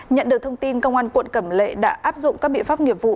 nhận được thông tin công an quận cẩm lệ đã áp dụng các biện pháp nghiệp vụ